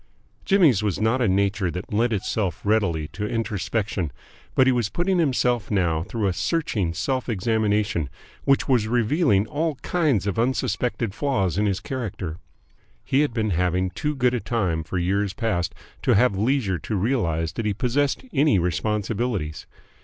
Jimmy's was not a nature that lent itself readily to introspection, but he was putting himself now through a searching self examination which was revealing all kinds of unsuspected flaws in his character. He had been having too good a time for years past to have leisure to realise that he possessed any responsibilities.